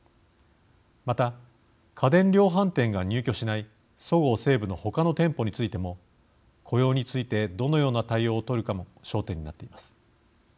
また、家電量販店が入居しないそごう・西武の他の店舗についても雇用についてどのような対応を取るかも焦点になっています。